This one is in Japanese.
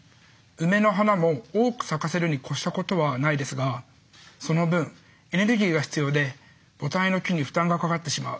ウメの花も多く咲かせるにこしたことはないですがその分エネルギーが必要で母体の木に負担がかかってしまう。